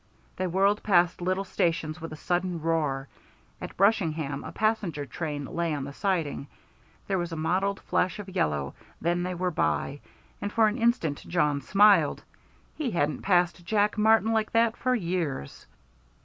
They whirled past little stations with a sudden roar. At Brushingham a passenger train lay on the siding. There was a mottled flash of yellow, then they were by, and for an instant Jawn smiled. He hadn't passed Jack Martin like that for years.